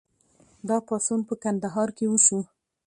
دا پاڅون په کندهار کې وشو.